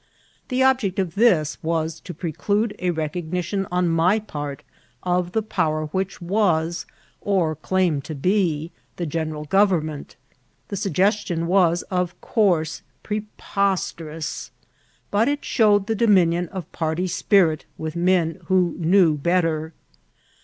The object of this was to preclude a recognition on my part of the power which was, or claimed to be, the general government. The suggestion was of course preposterous, but it showed the dominion of party spirit with men who knew bet ter.